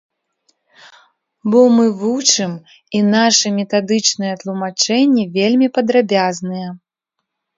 Бо мы вучым, і нашы метадычныя тлумачэнні вельмі падрабязныя.